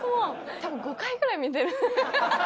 たぶん５回ぐらい見てる。